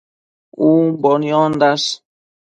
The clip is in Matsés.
Umbo niondash